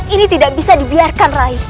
ini tidak bisa dibiarkan rai